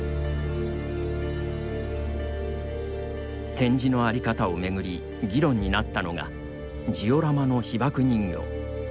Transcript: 展示の在り方を巡り議論になったのがジオラマの被爆人形。